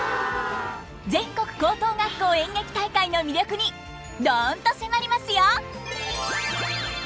全国高等学校演劇大会の魅力にどんと迫りますよ。